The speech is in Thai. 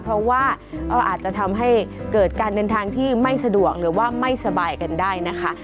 เพราะว่าก็อาจจะทำให้เกิดการเดินทางที่ไม่สะดวกหรือว่าไม่สบายกันได้นะคะ